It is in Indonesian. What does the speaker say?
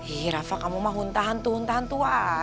ih rafa kamu mah honta hantu honta hantu wae